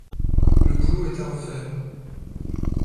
Le boulot est à refaire.